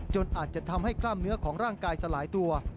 อาจจะทำให้กล้ามเนื้อของร่างกายสลายตัว